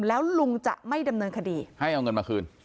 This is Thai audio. แล้วลุงจะไม่ดำเนินคดีให้เอาเงินมาคืน